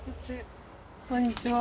こんにちは。